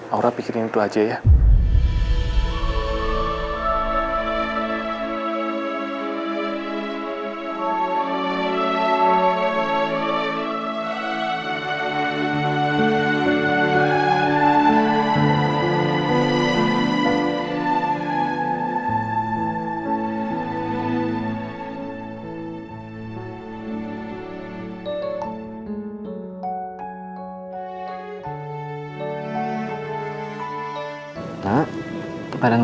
aura pikirin itu aja ya